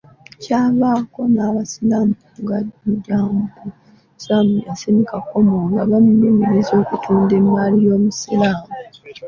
Kyavaako n'abasiraamu okugajambula Omusiraamu Yasin Kakomo nga bamulumiriza okutunda emmaali y'Obusiraamu.